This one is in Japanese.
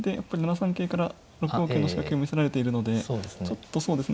桂から６五桂の仕掛けを見せられているのでちょっとそうですね